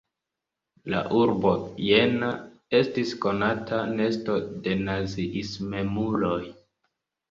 La urbo Jena estis konata nesto de naziismemuloj.